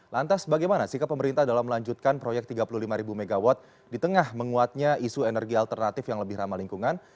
lantas bagaimana sikap pemerintah dalam melanjutkan proyek tiga puluh lima mw di tengah menguatnya isu energi alternatif yang lebih ramah lingkungan